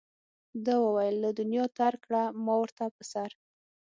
ده وویل له دنیا ترک کړه ما ورته په سر.